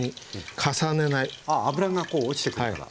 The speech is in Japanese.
あ油がこう落ちてくるから。